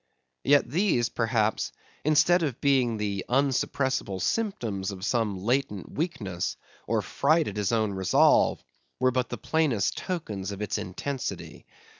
Yet these, perhaps, instead of being the unsuppressable symptoms of some latent weakness, or fright at his own resolve, were but the plainest tokens of its intensity.